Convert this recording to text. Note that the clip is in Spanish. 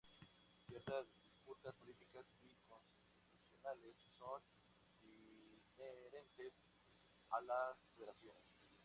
Ciertas disputas políticas y constitucionales son inherentes a las federaciones.